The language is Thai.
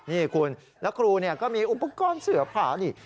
นี่คุณแล้วครูก็มีอุปกรณ์เสือผ่าดิ